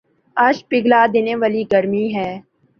آج پگھلا دینے والی گرمی ہے